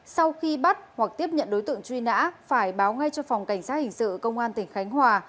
sau khi bắt hoặc tiếp nhận đối tượng truy nã phải báo ngay cho phòng cảnh sát hình sự công an tỉnh khánh hòa